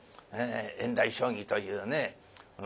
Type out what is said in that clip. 縁台将棋というね。